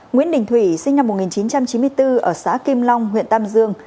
nguyễn đình thủy sinh năm một nghìn chín trăm chín mươi bốn ở xã kim long huyện tam dương